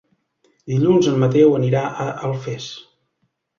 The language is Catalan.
Dilluns en Mateu anirà a Alfés.